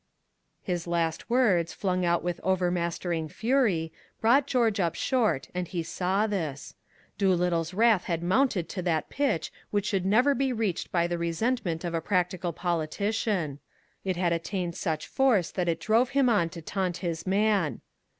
His last words, flung out with overmastering fury, brought George up short, and he saw this. Doolittle's wrath had mounted to that pitch which should never be reached by the resentment of a practical politician; it had attained such force that it drove him on to taunt his man.